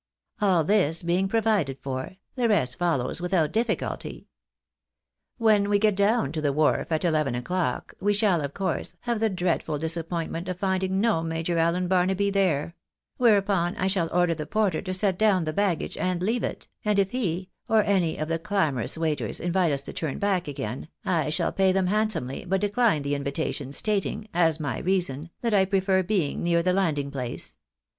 All this being provided for, the rest follows without difficulty. When we get down to the wharf at eleven o'clock, we shall, of course, have the dreadful disappoint ment of finding no Major Allen Barnaby there ; whereupon I shall order the porter to set down the baggage, and leave it ; and if he, or any of the clamorous waiters, invite us to turn back again, I shall pay them handsomely but decline the invitation, stating, as my reason, that I prefer being near the landing place.